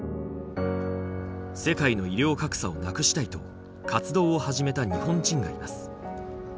世界の医療格差をなくしたいと活動を始めた日本人がいます。